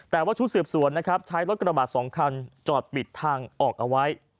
แต่ว่าชุดสืบสวนนะครับใช้รถกระบาด๒คันจอดปิดทางออกเอาไว้